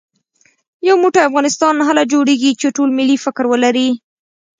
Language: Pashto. يو موټی افغانستان هله جوړېږي چې ټول ملي فکر ولرو